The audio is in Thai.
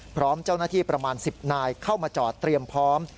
พร้อมเจ้าหน้าที่ประมาณ๑๐นายเข้ามาจอดเตรียมพร้อม